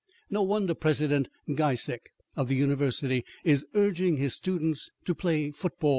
No wonder President Giesecke, of the University, is urging his students to play football and tennis.